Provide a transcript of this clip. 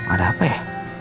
ada apa ya